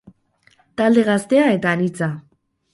Talde gaztea eta anitza.